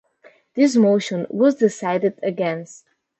This motion was decided against.